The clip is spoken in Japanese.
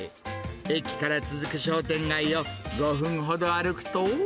駅から続く商店街を５分ほど歩くと。